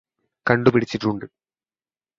കണ്ടുപിടിച്ചിട്ടുണ്ട്